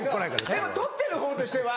でも撮ってるほうとしては。